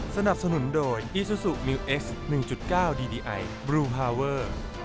สนับสนุนโดยอีซูซูมิวเอสหนึ่งจุดเก้าดีดีไอบลูฮาวเวอร์